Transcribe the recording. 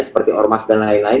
seperti ormas dan lain lain